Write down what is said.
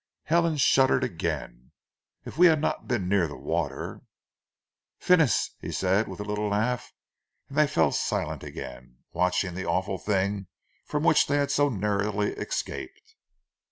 Helen shuddered again. "If we had not been near the water " "Finis!" he said with a little laugh, and they fell silent again watching the awful thing from which they had so narrowly escaped.